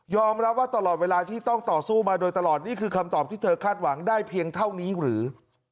รับว่าตลอดเวลาที่ต้องต่อสู้มาโดยตลอดนี่คือคำตอบที่เธอคาดหวังได้เพียงเท่านี้หรือ